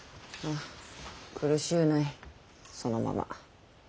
苦しゅうないそのまま。